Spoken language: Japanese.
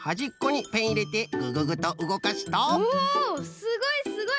すごいすごい！